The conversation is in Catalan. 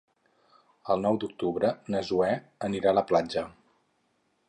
El nou d'octubre na Zoè anirà a la platja.